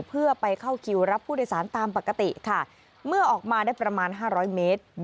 เพื่อไปเข้าคิวรับผู้โดยสารตามปกติค่ะเมื่อออกมาได้ประมาณ๕๐๐เมตร